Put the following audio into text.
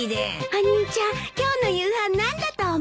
お兄ちゃん今日の夕飯何だと思う？